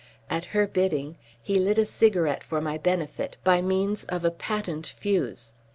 At her bidding he lit a cigarette for my benefit, by means of a patent fuse.